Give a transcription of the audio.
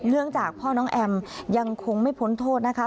เนื่องจากพ่อน้องแอมยังคงไม่พ้นโทษนะคะ